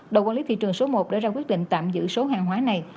đội quản lý thị trường số một đã ra quyết định tạm giữ số hàng hóa này